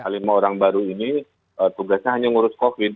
lima orang baru ini tugasnya hanya ngurus covid